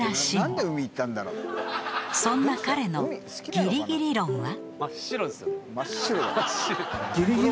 ［そんな彼のギリギリ論は？］